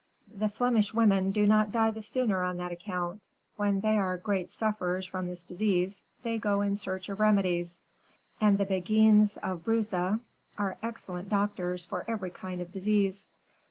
"The Flemish women do not die the sooner on that account. When they are great sufferers from this disease they go in search of remedies, and the Beguines of Bruges are excellent doctors for every kind of disease.